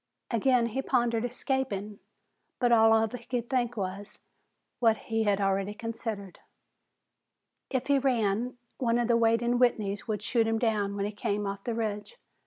Again he pondered escaping, but all he could think of was what he had already considered. If he ran, one of the waiting Whitneys would shoot him down when he came off the ridge.